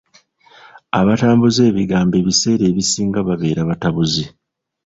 Abatambuza ebigambo ebiseera ebisinga babeera batabuzi.